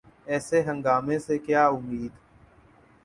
اس ہنگامے سے کیا امید؟